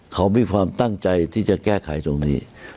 เขามีความตั้งใจที่จะแก้ไขตรงนี้